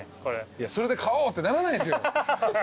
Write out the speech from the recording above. いやそれで買おうってならないですよ。